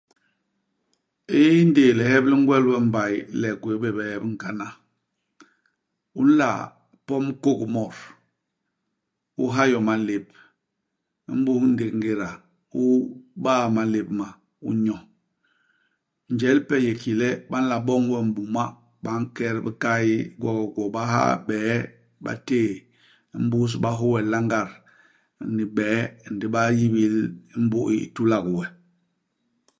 Indéé lihep li ngwel we i mbay, le u gwéé bé bie bi nkana, u nla pom kôgmot, u ha yo i malép. Imbus ndék ngéda, u baa imalép ma, u nyo. Njel ipe i yé ki le ba nla boñ we m'buma ; ba nket bikay gwokigwo, ba ha i hibee, ba téé. Imbus ba hô we langat ni bie ndi ba yibil, imbu u u tulak we.